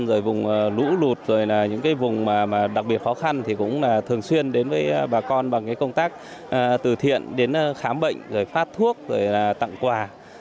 rồi vùng lũ lụt rồi những vùng đặc biệt khó khăn thì cũng thường xuyên đến với bà con bằng công tác từ thiện đến khám bệnh rồi phát thuốc rồi tặng quà